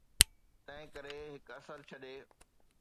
تنهنڪري هڪ اثر ڇڏي.